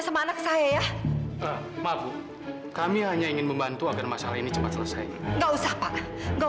sampai jumpa di video selanjutnya